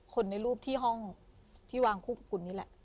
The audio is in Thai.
ในรูปที่ห้องที่วางคู่กับคุณนี่แหละ